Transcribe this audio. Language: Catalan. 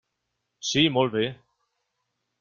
Sí, molt bé.